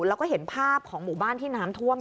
แล้วก็เห็นภาพของหมู่บ้านที่น้ำท่วม